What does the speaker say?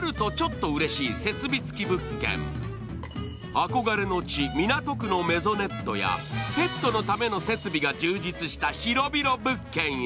憧れの地・港区のメゾネットやペットのための設備が充実した広々物件へ。